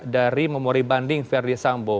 dari memori banding verdi sambo